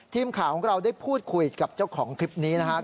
ทีมข่าวของเราได้พูดคุยกับเจ้าของคลิปนี้นะครับ